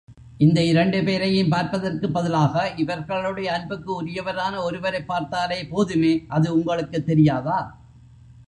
இந்த இரண்டு பேரையும் பார்ப்பதற்கு பதிலாக இவர்களுடைய அன்புக்கு உரியவரான ஒருவரைப் பார்த்தாலே போதுமே அது உங்களுக்கு தெரியாதா?